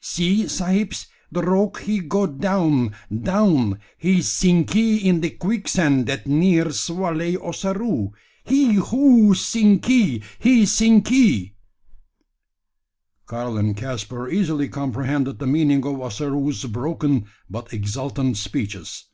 See, sahibs, the rogue he go down, down he sinkee in de quicksand that near swalley Ossaroo; he ho; sinkee! he sinkee!" Karl and Caspar easily comprehended the meaning of Ossaroo's broken but exultant speeches.